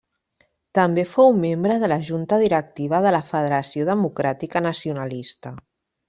També fou membre de la junta directiva de la Federació Democràtica Nacionalista.